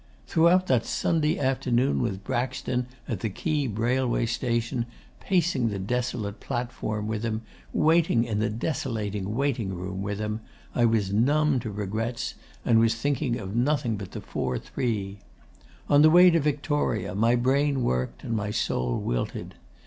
Throughout that Sunday afternoon with Braxton at the Keeb railway station, pacing the desolate platform with him, waiting in the desolating waiting room with him, I was numb to regrets, and was thinking of nothing but the 4.3. On the way to Victoria my brain worked and my soul wilted.